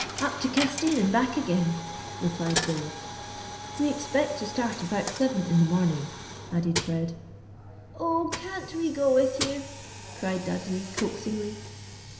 "Up to Castine and back again," replied Billy. "We expect to start about seven in the morning," added Fred. "Oh, can't we go with you?" cried Dudley, coaxingly.